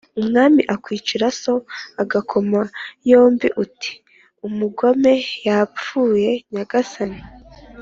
Umwami akwicira so ugakoma yombi uti: umugome yapfuye nyagasani.